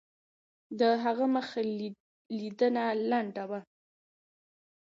د هغه مخ لیدنه لنډه وه.